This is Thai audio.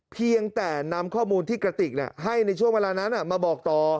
เพียงแต่นำข้อมูลที่กระติกให้ในช่วงเวลานั้นมาบอกต่อ